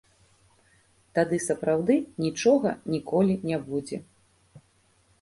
Тады сапраўды нічога ніколі не будзе.